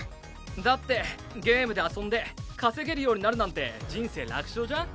だってゲームで遊んで稼げるようになるなんて人生楽勝じゃん？